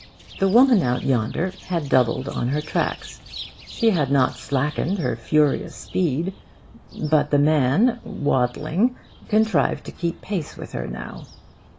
The woman out yonder had doubled on her tracks. She had not slackened her furious speed, but the man waddlingly contrived to keep pace with her now.